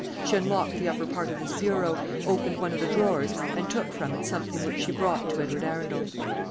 She unlocked the upper part of this bureau, opened one of the drawers, and took from it something which she brought to Edward Arundel.